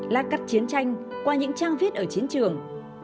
lát cắt chiến tranh qua những trang viết ở chiến trường